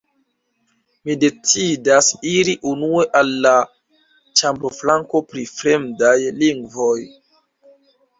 Mi decidas iri unue al la ĉambroflanko pri fremdaj lingvoj.